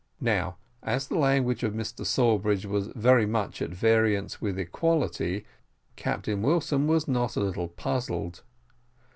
Now, as the language of Mr Sawbridge was very much at variance with equality, Captain Wilson was not a little puzzled.